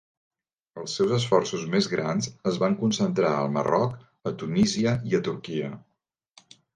Els seus esforços més grans es van concentrar al Marroc, a Tunísia i a Turquia.